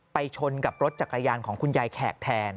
ชนกับรถจักรยานของคุณยายแขกแทน